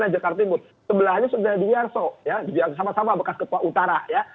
ya sama sama bekas kepua utara ya